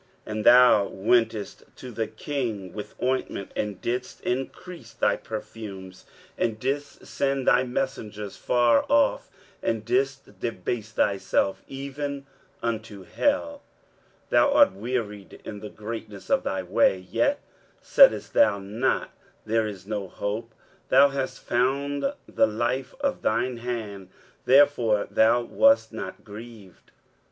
23:057:009 And thou wentest to the king with ointment, and didst increase thy perfumes, and didst send thy messengers far off, and didst debase thyself even unto hell. 23:057:010 Thou art wearied in the greatness of thy way; yet saidst thou not, There is no hope: thou hast found the life of thine hand; therefore thou wast not grieved.